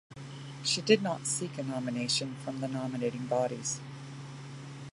She did not seek a nomination from the nominating bodies.